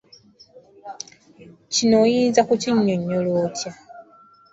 Kino oyinza kukinnyonnyola otya?